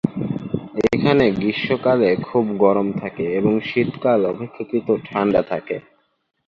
এখানে গ্রীষ্মকালে খুব গরম থাকে, এবং শীতকালে অপেক্ষাকৃত ঠান্ডা থাকে।